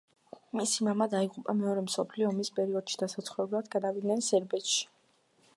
მისი მამა დაიღუპა მეორე მსოფლიო ომის პერიოდში და საცხოვრებლად გადავიდნენ სერბეთში.